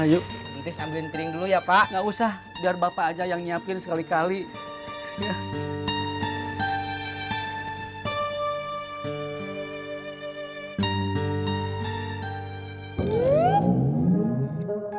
yuk ambil piring dulu ya pak enggak usah biar bapak aja yang nyiapin sekali kali ya